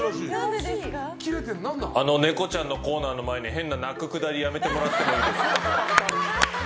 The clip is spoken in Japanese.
ネコちゃんのコーナーの前に変な泣くくだりやめてもらってもいいですか。